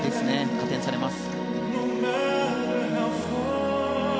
加点されます。